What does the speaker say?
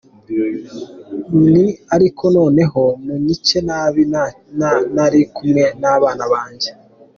Nti ariko noneho munyice nabi ntari kumwe n’abana banjye.